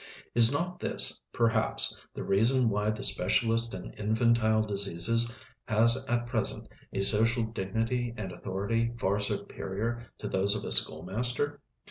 Is not this, perhaps, the reason why the specialist in infantile diseases has at present a social dignity and authority far superior to those of a schoolmaster?